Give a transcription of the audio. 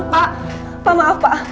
pak maaf pak